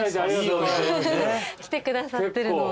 来てくださってるのは。